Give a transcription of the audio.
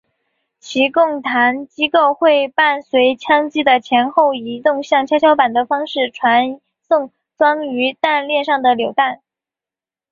其供弹机构会伴随枪机的前后移动像跷跷板的方式传送装于弹链上的榴弹。